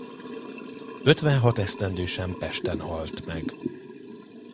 Ötvenhat esztendősen Pesten halt meg.